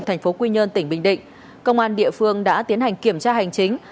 tp quy nhơn tỉnh bình định công an địa phương đã tiến hành kiểm tra hành chính